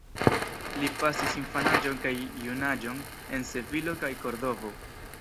Li pasis infanaĝon kaj junaĝon en Sevilo kaj Kordovo.